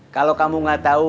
kalau kamu gak tau